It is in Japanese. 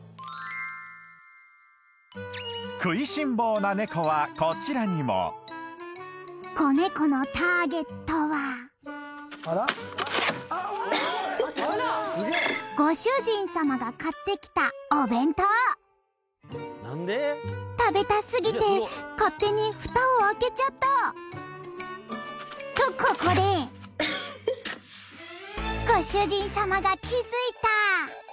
食いしん坊なネコはこちらにも子ネコのターゲットはご主人様が買ってきたお弁当食べたすぎて勝手にフタを開けちゃったとここでご主人様が気づいた！